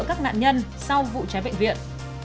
các nạn nhân sau vụ trái bệnh viện